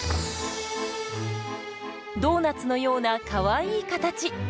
ドーナツのようなかわいい形。